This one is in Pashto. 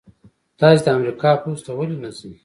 تاسې د امریکا پوځ ته ولې نه ځئ؟